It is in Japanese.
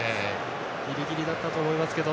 ギリギリだったと思いますけど。